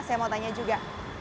saya mau tanya juga